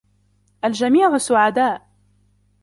الجميع سعداء.